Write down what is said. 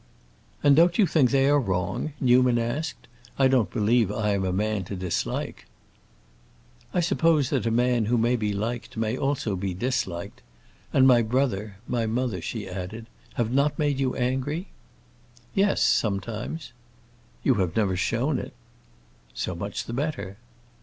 "And don't you think they are wrong?" Newman asked. "I don't believe I am a man to dislike." "I suppose that a man who may be liked may also be disliked. And my brother—my mother," she added, "have not made you angry?" "Yes, sometimes." "You have never shown it." "So much the better."